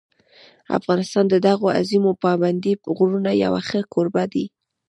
افغانستان د دغو عظیمو پابندي غرونو یو ښه کوربه دی.